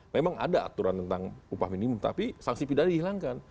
memang ada aturan tentang upah minimum tapi sanksi pidana dihilangkan